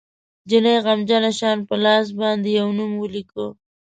جینۍ غمجنه شان په لاس باندې یو نوم ولیکه